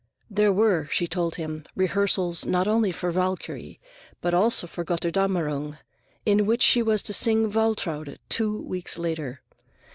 There were, she told him, rehearsals not only for "Walküre," but also for "Götterdämmerung," in which she was to sing Waltraute two weeks later.